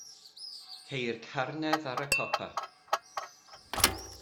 Ceir carnedd ar y copa.